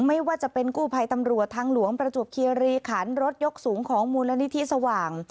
ไม่ว่าจะเป็นกู้ภัยตำรวจทางหลวงประจวบคีรีขันรถยกสูงของมูลนิธิสว่าง